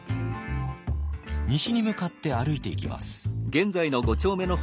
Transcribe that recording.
西に向かって歩いていきます。